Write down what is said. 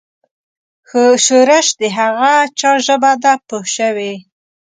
ښورښ د هغه چا ژبه ده پوه شوې!.